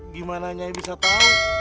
gimana nyai bisa tahu